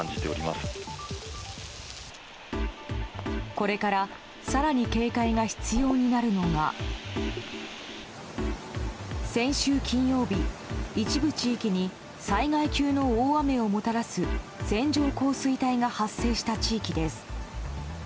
これから更に警戒が必要になるのが先週金曜日、一部地域に災害級の大雨をもたらす線状降水帯が発生した地域です。